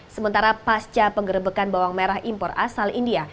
sementara pasca penggerbekan bawang merah impor asal india